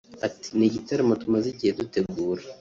Ati “Ni igitaramo tumaze igihe dutegura